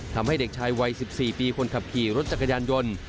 ทำให้เด็กชายวัย๑๔ปีคนขับขี่รถจักรยานยนต์